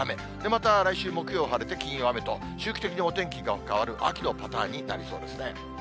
また来週木曜日晴れて、金曜が雨と、周期的にお天気が変わる秋のパターンになりそうですね。